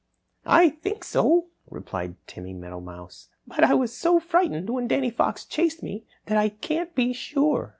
"I think so," replied Timmy Meadowmouse, "but I was so frightened when Danny Fox chased me that I can't be sure."